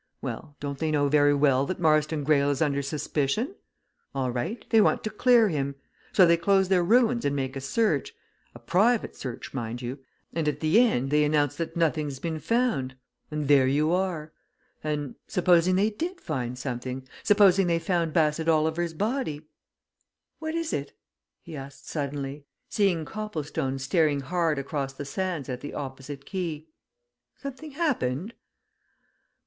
Well don't they know very well that Marston Greyle is under suspicion? All right they want to clear him. So they close their ruins and make a search a private search, mind you and at the end they announce that nothing's been found and there you are! And supposing they did find something supposing they found Bassett Oliver's body What is it?" he asked suddenly, seeing Copplestone staring hard across the sands at the opposite quay. "Something happened?"